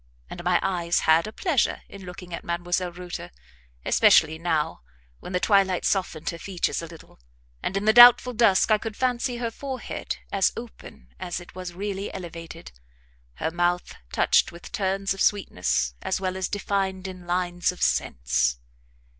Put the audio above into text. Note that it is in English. And my eyes had a pleasure in looking at Mdlle. Reuter, especially now, when the twilight softened her features a little, and, in the doubtful dusk, I could fancy her forehead as open as it was really elevated, her mouth touched with turns of sweetness as well as defined in lines of sense.